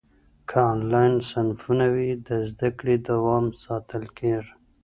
که انلاین صنفونه وي، د زده کړې دوام ساتل کېږي.